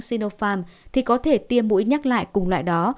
sinopharm thì có thể tiêm mũi nhắc lại cùng loại đó